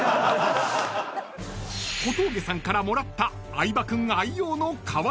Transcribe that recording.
［小峠さんからもらった相葉君愛用の革財布］